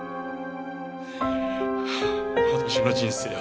私の人生は。